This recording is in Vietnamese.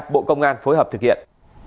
bộ công an phối hợp thực hiện